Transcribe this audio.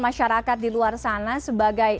masyarakat di luar sana sebagai